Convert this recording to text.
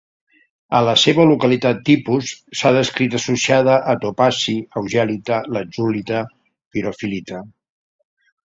A la seva localitat tipus s'ha descrit associada a topazi, augelita, latzulita, pirofil·lita.